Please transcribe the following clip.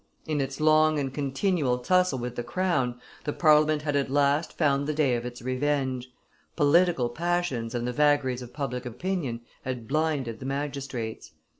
In its long and continual tussle with the crown, the Parliament had at last found the day of its revenge: political passions and the vagaries of public opinion had blinded the magistrates.